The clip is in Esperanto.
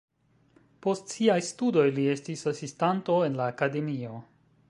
Post siaj studoj li estis asistanto en la akademio.